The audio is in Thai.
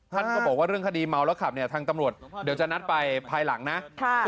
ท่านก็บอกว่าเรื่องคดีเมาแล้วขับเนี่ยทางตำรวจเดี๋ยวจะนัดไปภายหลังนะ